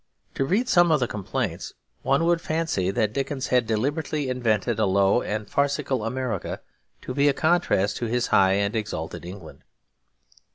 To read some of the complaints, one would fancy that Dickens had deliberately invented a low and farcical America to be a contrast to his high and exalted England.